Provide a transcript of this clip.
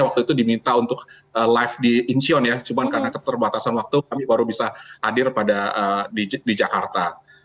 kita untuk live di incheon ya cuma karena keterbatasan waktu kami baru bisa hadir di jakarta